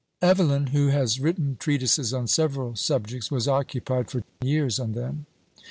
Evelyn, who has written treatises on several subjects, was occupied for years on them.